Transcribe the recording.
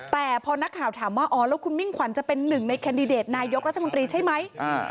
แต่พอนักข่าวถามว่าอ๋อแล้วคุณมิ่งขวัญจะเป็นหนึ่งในแคนดิเดตนายกรัฐมนตรีใช่ไหม